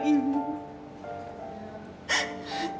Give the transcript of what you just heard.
saya kangen sekali sama ibu